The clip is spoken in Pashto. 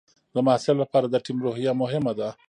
د محصل لپاره د ټیم روحیه مهمه ده.